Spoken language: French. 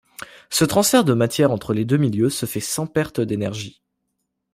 Ce transfert de matière entre les deux milieux se fait sans perte d'énergie.